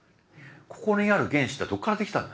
ここにある原子ってどっからできたんだ？